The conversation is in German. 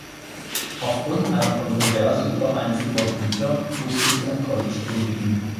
Aufgrund einer Kontroverse über eines ihrer Bücher musste sie am College kündigen.